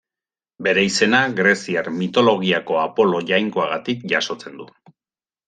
Bere izena greziar mitologiako Apolo jainkoagatik jasotzen du.